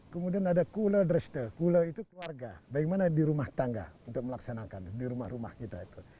kemudian ada kula dreste kule itu keluarga bagaimana di rumah tangga untuk melaksanakan di rumah rumah kita itu